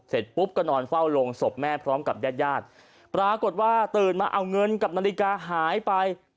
เสร็จปุ๊บก็นอนเฝ้าโรงศพแม่พร้อมกับญาติญาติปรากฏว่าตื่นมาเอาเงินกับนาฬิกาหายไป